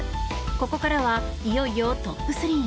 ここからは、いよいよトップ３。